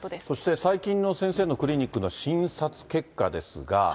そして最近の先生のクリニックの診察結果ですが。